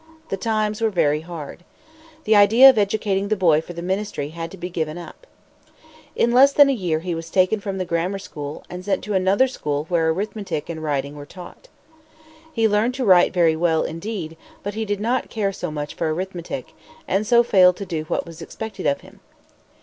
The times were very hard. The idea of educating the boy for the ministry had to be given up. In less than a year he was taken from the grammar school, and sent to another school where arithmetic and writing were taught. He learned to write very well, indeed; but he did not care so much for arithmetic, and so failed to do what was expected of him.